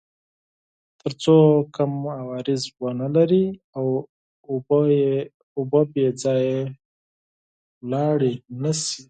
تر څو کوم عوارض ونلري او اوبه بې ځایه لاړې نه شي.